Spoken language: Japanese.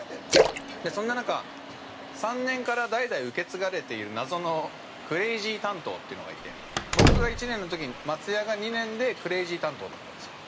そんな中、３年から代々受け継がれている謎のクレイジー担当というのがいて、僕が１年のとき松也が２年でクレイジー担当だったんですよ。